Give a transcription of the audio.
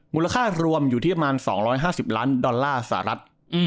มูลค่ารวมอยู่ที่ประมาณ๒๕๐ล้านดอลลาร์สหรัฐ